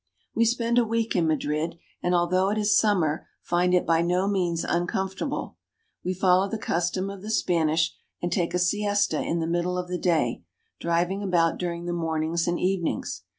We spend a week in Madrid, and although it is summer find it by no means uncomfortable. We follow the custom of the Spanish, and take a siesta in the middle of the day, 438 SPAIN. driving about during the mornings and evenings.